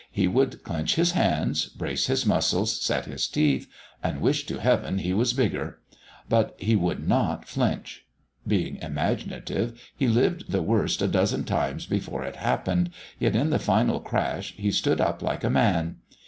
He would clench his hands, brace his muscles, set his teeth and wish to heaven he was bigger. But he would not flinch. Being imaginative, he lived the worst a dozen times before it happened, yet in the final crash he stood up like a man.